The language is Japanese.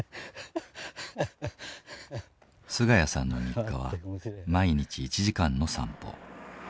菅家さんの日課は毎日１時間の散歩。